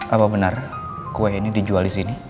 apa bener kue ini dijual disini